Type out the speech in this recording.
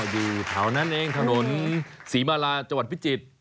อยู่เท่านั้นเองถนนศรีมาลาจพิจิตย์